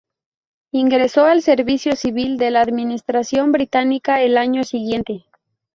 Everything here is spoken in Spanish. Ingresó al servicio civil de la administración británica el año siguiente.